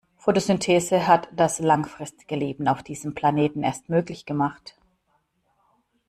Photosynthese hat das langfristige Leben auf diesem Planeten erst möglich gemacht.